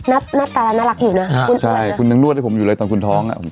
หน้าหน้าตาน่ารักอยู่เนอะฮะใช่คุณน้องนวดให้ผมอยู่เลยตอนคุณท้อง